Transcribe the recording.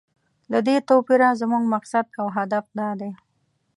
له دې توپیره زموږ مقصد او هدف دا دی.